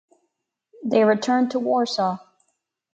They returned to Warsaw.